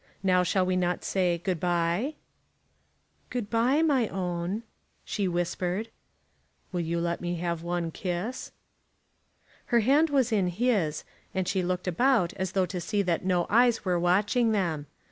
Now shall we not say, Good bye?" "Good bye, my own," she whispered. "You will let me have one kiss?" Her hand was in his, and she looked about as though to see that no eyes were watching them.